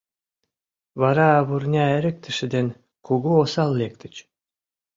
Вара вурня эрыктыше ден кугу осал лектыч.